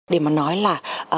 để mà nói là